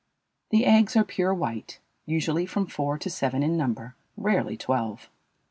The eggs are pure white, usually from four to seven in number, rarely twelve.